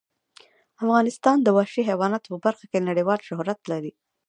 افغانستان د وحشي حیواناتو په برخه کې نړیوال شهرت لري.